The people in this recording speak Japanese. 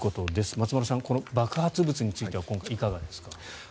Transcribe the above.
松丸さん、この爆発物についてはいかがですか。